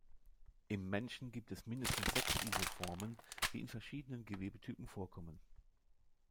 Im Menschen gibt es mindestens sechs Isoformen, die in verschiedenen Gewebetypen vorkommen.